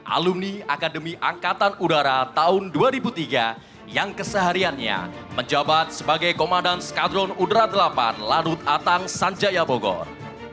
alumni akademi angkatan udara tahun dua ribu tiga yang kesehariannya menjabat sebagai komandan skadron udara delapan ladut atang sanjaya bogor